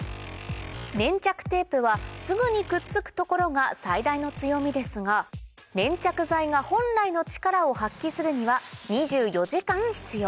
粘着テープはすぐにくっつくところが最大の強みですが粘着剤が本来の力を発揮するには２４時間必要